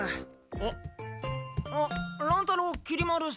あっ乱太郎きり丸しんべヱ。